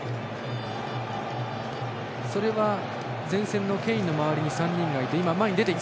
それは前線のケインの周りに３人がいて。